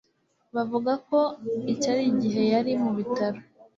bavuga ko icyo gihe yari mu bitaro